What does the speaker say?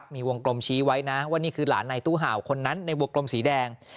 มีวงกลมชี้ไว้นะว่านี่คือหลานในตู้เห่าคนนั้นในวงกลมสีแดง